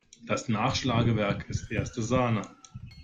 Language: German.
Das Nachschlagewerk ist erste Sahne!